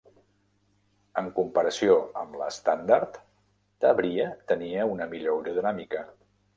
En comparació amb l'estàndard "Tavria", tenia una millor aerodinàmica.